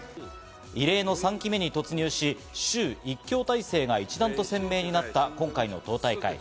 異例の３期目に突入し、シュウ一強体制が一段と鮮明になった今回の党大会。